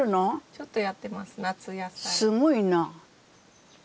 すごいな！